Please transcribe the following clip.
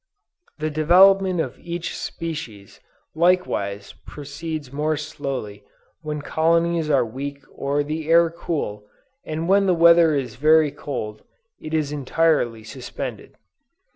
"The development of each species likewise proceeds more slowly when the colonies are weak or the air cool, and when the weather is very cold it is entirely suspended.